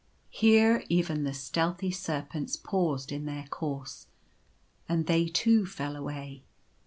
Here even the stealthy serpents paused in their course ; and they too fell away.